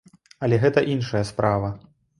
Але гэта іншая справа.